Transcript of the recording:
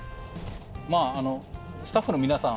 まあスタッフの皆さん